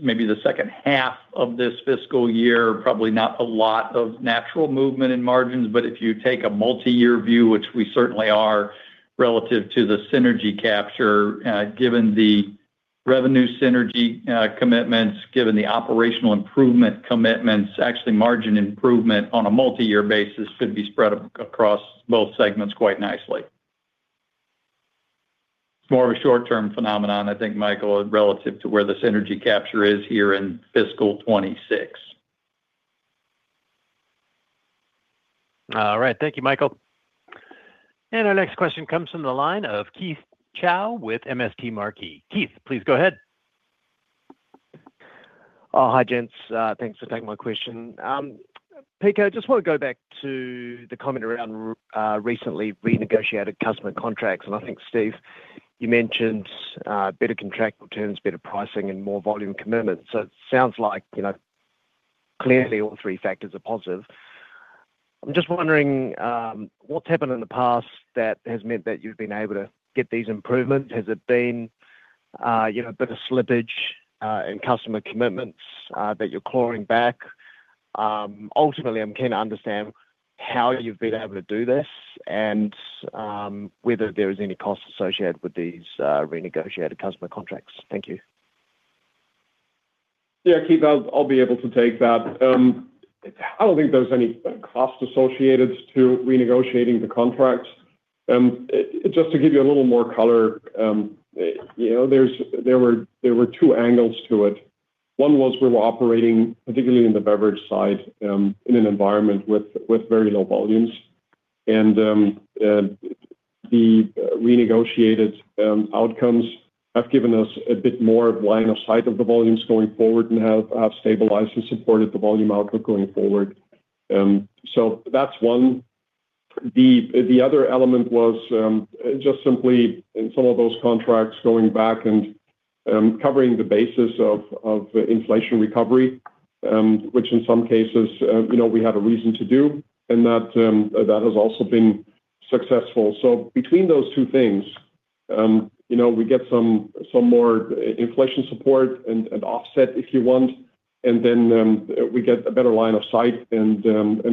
maybe the second half of this fiscal year, probably not a lot of natural movement in margins, but if you take a multi-year view, which we certainly are, relative to the synergy capture, given the revenue synergy commitments, given the operational improvement commitments, actually margin improvement on a multi-year basis should be spread across both segments quite nicely. It's more of a short-term phenomenon, I think, Michael, relative to where the synergy capture is here in fiscal 2026. All right. Thank you, Michael. And our next question comes from the line of Keith Chau with MST Marquee. Keith, please go ahead. Oh, hi, gents. Thanks for taking my question. PK, I just wanna go back to the comment around recently renegotiated customer contracts. And I think, Steve, you mentioned better contractual terms, better pricing, and more volume commitments. So it sounds like, you know, clearly all three factors are positive. I'm just wondering what's happened in the past that has meant that you've been able to get these improvements? Has it been, you know, a bit of slippage in customer commitments that you're clawing back? Ultimately, I'm keen to understand how you've been able to do this and whether there is any cost associated with these renegotiated customer contracts. Thank you. Yeah, Keith, I'll be able to take that. I don't think there's any cost associated to renegotiating the contracts. Just to give you a little more color, you know, there were two angles to it. One was we were operating, particularly in the beverage side, in an environment with very low volumes. And the renegotiated outcomes have given us a bit more line of sight of the volumes going forward and have stabilized and supported the volume outlook going forward. So that's one. The other element was just simply in some of those contracts going back and covering the basis of inflation recovery, which in some cases, you know, we had a reason to do, and that has also been successful. So between those two things, you know, we get some more inflation support and offset, if you want, and then we get a better line of sight and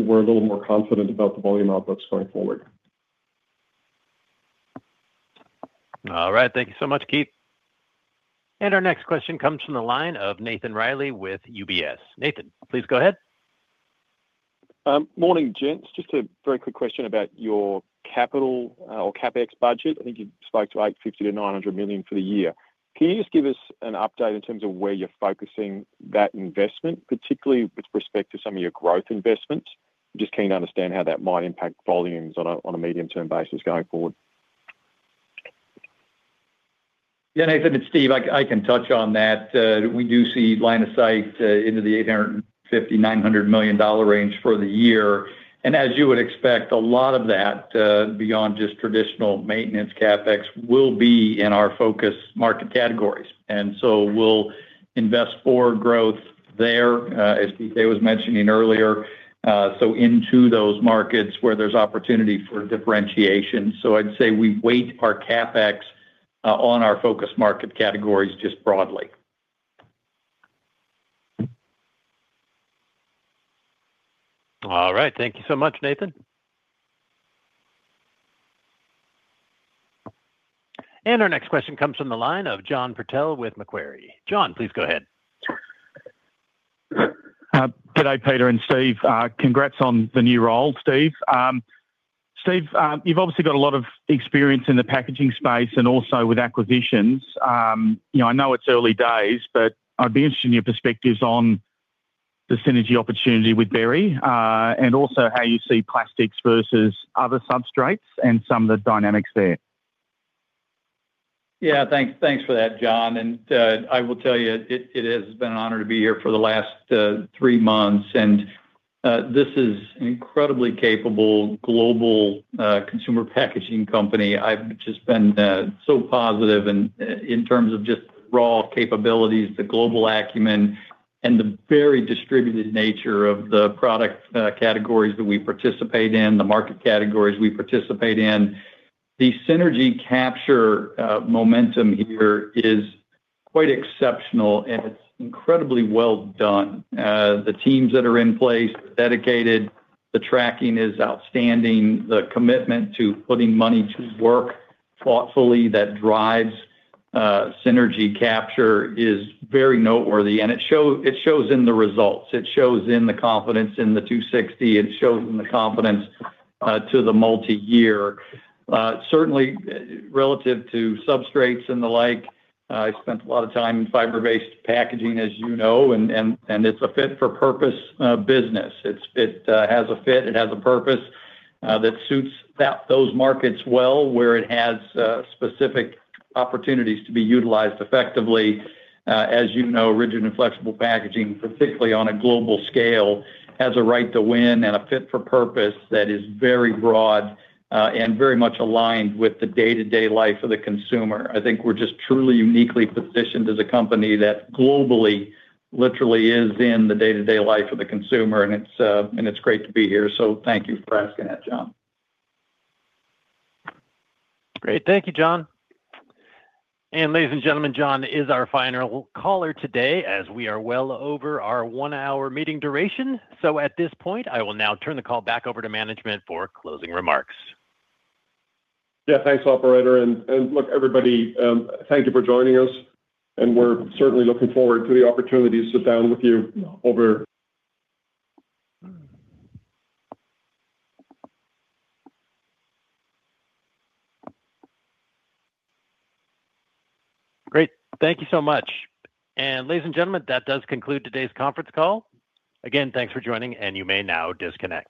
we're a little more confident about the volume outputs going forward. All right. Thank you so much, Keith. And our next question comes from the line of Nathan Reilly with UBS. Nathan, please go ahead. Morning, gents. Just a very quick question about your capital, or CapEx budget. I think you spoke to $850-$900 million for the year. Can you just give us an update in terms of where you're focusing that investment, particularly with respect to some of your growth investments? I'm just keen to understand how that might impact volumes on a medium-term basis going forward. Yeah, Nathan, it's Steve. I can touch on that. We do see line of sight into the $850-$900 million range for the year. As you would expect, a lot of that, beyond just traditional maintenance CapEx, will be in our focus market categories. So we'll invest for growth there, as Pete was mentioning earlier, so into those markets where there's opportunity for differentiation. So I'd say we weight our CapEx on our focus market categories just broadly. All right. Thank you so much, Nathan. Our next question comes from the line of John Purtell with Macquarie. John, please go ahead. Good day, Peter and Steve. Congrats on the new role, Steve. Steve, you've obviously got a lot of experience in the packaging space and also with acquisitions. You know, I know it's early days, but I'd be interested in your perspectives on the synergy opportunity with Berry, and also how you see plastics versus other substrates and some of the dynamics there. Yeah, thanks, thanks for that, John, and I will tell you, it has been an honor to be here for the last three months, and this is an incredibly capable global consumer packaging company. I've just been so positive and in terms of just raw capabilities, the global acumen, and the very distributed nature of the product categories that we participate in, the market categories we participate in. The synergy capture momentum here is quite exceptional, and it's incredibly well done. The teams that are in place, dedicated, the tracking is outstanding, the commitment to putting money to work thoughtfully that drives synergy capture is very noteworthy, and it shows in the results. It shows in the confidence in the $260 million, it shows in the confidence to the multi-year. Certainly, relative to substrates and the like, I spent a lot of time in fiber-based packaging, as you know, and it's a fit for purpose business. It has a fit, it has a purpose that suits those markets well, where it has specific opportunities to be utilized effectively. As you know, rigid and flexible packaging, particularly on a global scale, has a right to win and a fit for purpose that is very broad and very much aligned with the day-to-day life of the consumer. I think we're just truly uniquely positioned as a company that globally, literally is in the day-to-day life of the consumer, and it's great to be here. So thank you for asking that, John. Great. Thank you, John. And ladies and gentlemen, John is our final caller today, as we are well over our one-hour meeting duration. So at this point, I will now turn the call back over to management for closing remarks. Yeah, thanks, operator. And, and look, everybody, thank you for joining us, and we're certainly looking forward to the opportunity to sit down with you over- Great. Thank you so much. And ladies and gentlemen, that does conclude today's conference call. Again, thanks for joining, and you may now disconnect.